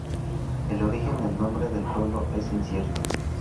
El origen del nombre del pueblo es incierto.